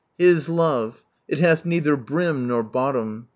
His love— it "hath neither brim nor bottom!"